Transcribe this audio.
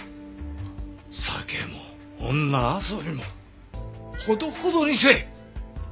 酒も女遊びもほどほどにせい！